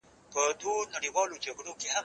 هغه وويل چي لوښي مينځل مهم دي